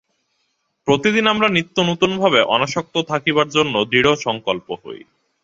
প্রতিদিন আমরা নিত্য নূতনভাবে অনাসক্ত থাকিবার জন্য দৃঢ়সঙ্কল্প হই।